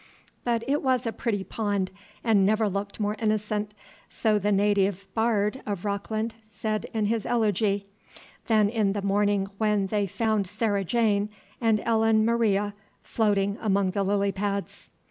But it was a pretty pond, and never looked more innocent so the native "bard" of Rockland said in his elegy than on the morning when they found Sarah Jane and Ellen Maria floating among the lily pads.